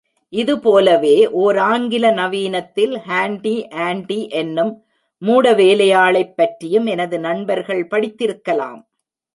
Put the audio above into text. இதுபோலவே ஓர் ஆங்கில நவீனத்தில் ஹான்டி ஆன்டி என்னும் மூடவேலையாளைப் பற்றியும் எனது நண்பர்கள் படித்திருக்கலாம்.